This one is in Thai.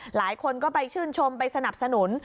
หลายคนก็ไปชื่นชมไปสนับสนุน